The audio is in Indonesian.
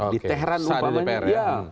di teheran umpamanya